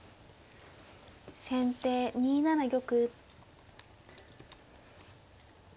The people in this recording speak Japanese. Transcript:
先手２七玉。